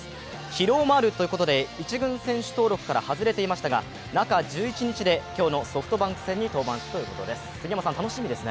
疲労もあるということで１軍選手登録から外れていましたが中１１日で今日のソフトバンク戦に登板するということです。